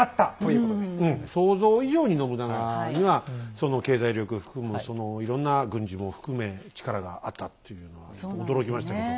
うん想像以上に信長には経済力含むそのいろんな軍事も含め力があったっていうのは驚きましたけど。